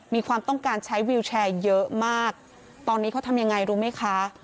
มีความต้องการใช้วิวแชร์เยอะมากตอนนี้เขาทำยังไงรู้ไหมคะ